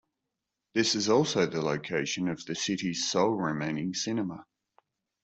This is also the location of the city's sole remaining cinema.